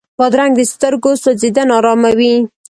بادرنګ د سترګو سوځېدنه اراموي.